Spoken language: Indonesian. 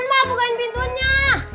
cepetan mah bukain pintunya